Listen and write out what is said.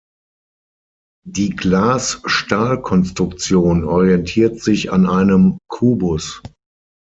Die Glas-Stahl-Konstruktion orientiert sich an einem Kubus.